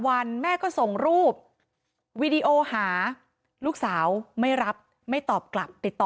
วันแม่ก็ส่งรูปวีดีโอหาลูกสาวไม่รับไม่ตอบกลับติดต่อ